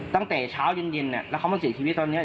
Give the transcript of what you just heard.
ตั้งแต่เช้าเย็นแล้วเขามาเสียชีวิตตอนนี้